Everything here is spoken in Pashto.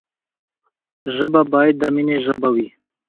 ژبه باید د ميني ژبه وي.